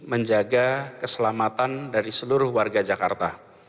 menjaga keselamatan dari seluruh warga jakarta